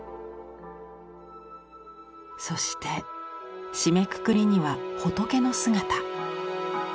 そして締めくくりには仏の姿。